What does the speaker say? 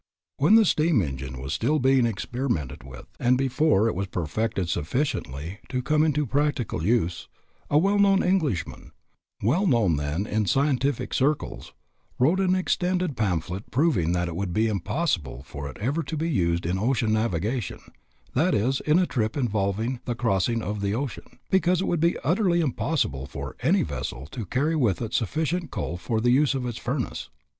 When the steam engine was still being experimented with, and before it was perfected sufficiently to come into practical use, a well known Englishman well known then in scientific circles wrote an extended pamphlet proving that it would be impossible for it ever to be used in ocean navigation, that is, in a trip involving the crossing of the ocean, because it would be utterly impossible for any vessel to carry with it sufficient coal for the use of its furnace.